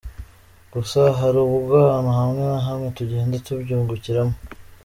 Gusa hari ubwo ahantu hamwe na hamwe tugenda tubyungukiramo.